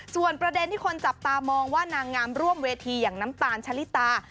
ส่วนประเด็นที่คนจับตามองว่านางงามร่วมเวทีอย่างน้ำตาลชะลิตา